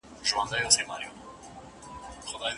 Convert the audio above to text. که اړتیا نه وي، مستري به په اوږه باندي ګڼ توکي ونه وړي.